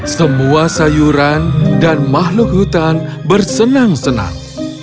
semua sayuran dan makhluk hutan bersenang senang